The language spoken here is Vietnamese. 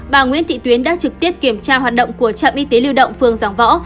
bà nguyễn thị tuyến đã trực tiếp kiểm tra hoạt động của trạm y tế lưu động phương giảng võ